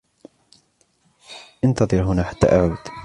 إنتظر هنا حتى أعود.